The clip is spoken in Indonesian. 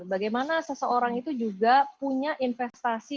bagaimana seseorang itu juga punya investasi